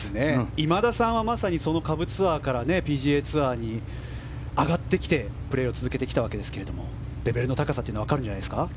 今田さんは下部ツアーからＰＧＡツアーに上がってきてプレーを続けてきたわけですがレベルの高さがわかるんじゃないですか？